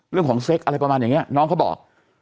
เซ็กอะไรประมาณอย่างนี้น้องเขาบอก